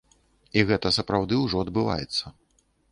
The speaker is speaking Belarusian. І гэта сапраўды ўжо адбываецца.